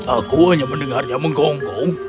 aku hanya mendengarnya menggonggong